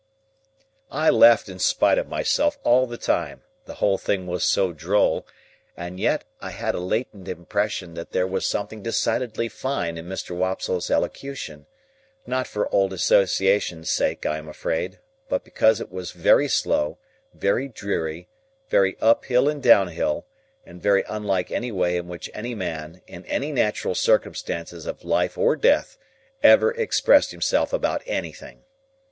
I laughed in spite of myself all the time, the whole thing was so droll; and yet I had a latent impression that there was something decidedly fine in Mr. Wopsle's elocution,—not for old associations' sake, I am afraid, but because it was very slow, very dreary, very uphill and downhill, and very unlike any way in which any man in any natural circumstances of life or death ever expressed himself about anything.